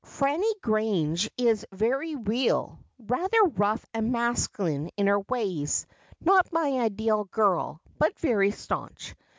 ' Fanny Grange is very real — rather rough and masculine in her ways, not my ideal girl but very staunch.